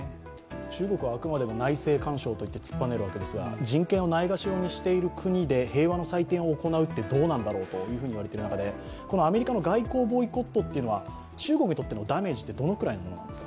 中国はあくまでも内政干渉といって突っぱねるわけですが人権をないがしろにしている国で平和の祭典を行うってどうなんだろうっていわれている中でこのアメリカの外交的ボイコットというのは中国にとってのダメージはどのくらいなんですか？